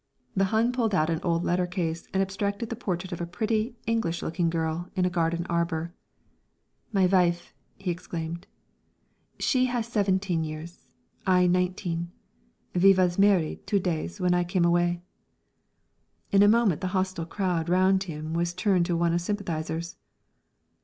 The Hun pulled out an old letter case and abstracted the portrait of a pretty English looking girl in a garden arbour. "My vife," he exclaimed. "She has seventeen years, I nineteen. Ve was married two days when I come away!" In a moment the hostile crowd round him was turned to one of sympathisers.